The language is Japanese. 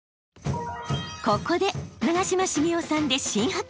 ここで長嶋茂雄さんで新発見！